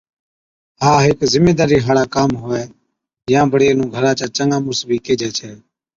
ها هيڪ زميدارِي هاڙِي ڪام هُوَي يان بڙي اينهُون گھرا چا چڱا مُڙس بِي ڪيهجَي ڇَي